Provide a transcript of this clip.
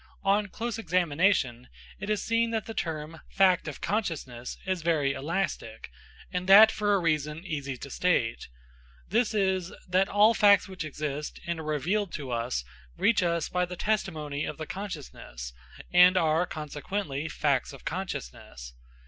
On close examination, it is seen that the term, fact of consciousness, is very elastic, and that for a reason easy to state. This is, that all facts which exist and are revealed to us reach us by the testimony of the consciousness, and are, consequently, facts of consciousness.